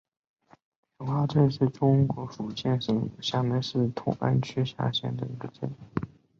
莲花镇是中国福建省厦门市同安区下辖的一个镇。